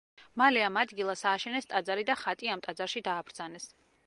მალე ამ ადგილას ააშენეს ტაძარი და ხატი ამ ტაძარში დააბრძანეს.